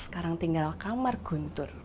sekarang tinggal kamar guntur